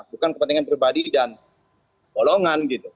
bukan kepentingan pribadi dan golongan gitu